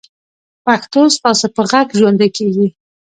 پښتو ستاسو په غږ ژوندۍ کېږي.